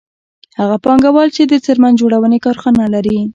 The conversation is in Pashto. هغه پانګوال چې د څرمن جوړونې کارخانه لري